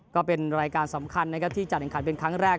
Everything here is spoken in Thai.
ก็เป็นรายการสำคัญนะครับที่จัดแข่งขันเป็นครั้งแรก